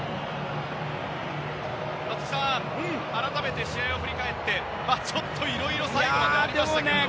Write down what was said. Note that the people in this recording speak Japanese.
松木さん、改めて試合を振り返ってちょっといろいろ最後までありましたけれども。